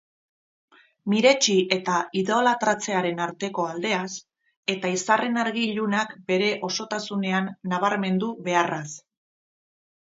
Miretsi eta idolatratzearen arteko aldeaz, eta izarren argi-ilunak bere osotasunean nabarmendu beharraz.